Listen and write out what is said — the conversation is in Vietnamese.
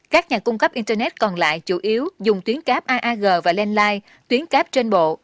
các nhà cung cấp internet còn lại chủ yếu dùng tuyến cáp aag và landline tuyến cáp trên bộ